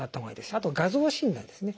あと画像診断ですね。